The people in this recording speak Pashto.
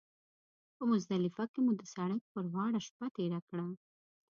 په مزدلفه کې مو د سړک پر غاړه شپه تېره کړه.